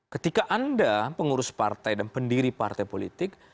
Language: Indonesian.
ketika anda pengurus partai dan pendiri partai politik